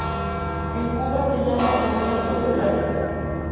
En Cuba se llama boniato de playa.